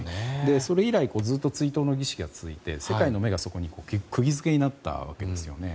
それ以来ずっと追悼の儀式が続いて世界の目が、そこに釘付けになったわけですよね。